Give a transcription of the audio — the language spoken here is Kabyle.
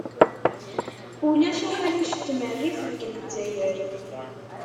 Ulac aḥric n tmerrit deg Lezzayer.